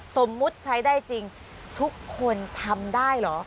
สมมุติใช้ได้จริงทุกคนทำได้เหรอ